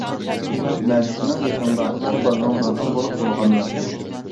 مەن سېنىڭ يېشىڭدا ئىككى بالىنىڭ دادىسى بولۇپ بولغانمەن.